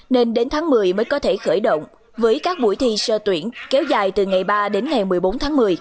nên đến tháng một mươi mới có thể khởi động với các buổi thi sơ tuyển kéo dài từ ngày ba đến ngày một mươi bốn tháng một mươi